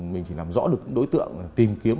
mình chỉ làm rõ được đối tượng tìm kiếm